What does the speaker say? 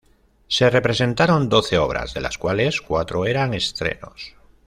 Se representaron doce obras, de las cuales cuatro eran estrenos.